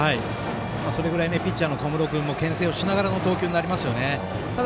それぐらいピッチャーの小室君もけん制をしながらの投球になりますよね。